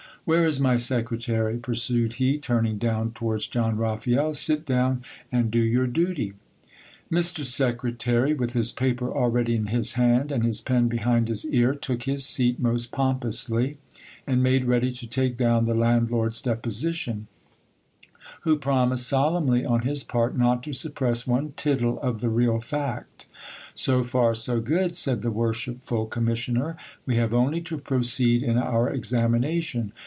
Where is my secretary ? pursued he, turning down towards Don Raphael. Sit down and do your duty. Mr Secretary, with his paper already in his hand and his pen behind his ear, took his seat most pompously, and made ready to take down the landlord's deposition ; who promised solemnly on his part not to suppress one tittle of the real fact. So far, so good ! said the worshipful commissioner ; we have only to proceed in our examination.